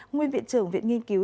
nguyên viện trưởng viện nghiên cứu